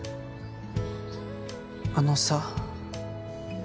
あのさ